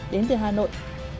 đến từ hà nội